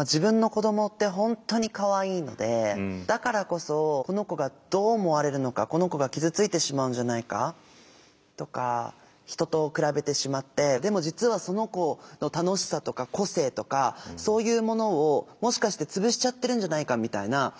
自分の子どもって本当にかわいいのでだからこそこの子がどう思われるのかこの子が傷ついてしまうんじゃないかとか人と比べてしまってでも実はその子の楽しさとか個性とかそういうものをもしかして潰しちゃってるんじゃないかみたいな。